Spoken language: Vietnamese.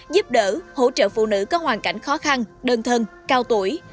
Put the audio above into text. giúp đỡ hỗ trợ phụ nữ có hoàn cảnh khó khăn đơn thân cao tuổi